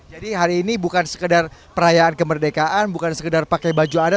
jadi hari ini bukan sekedar perayaan kemerdekaan bukan sekedar pakai baju anda